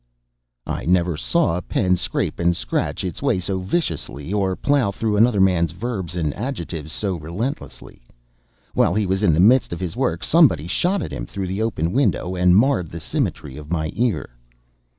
I never saw a pen scrape and scratch its way so viciously, or plow through another man's verbs and adjectives so relentlessly. While he was in the midst of his work, somebody shot at him through the open window, and marred the symmetry of my ear.